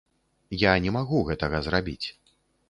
Я не магу гэтага зрабіць.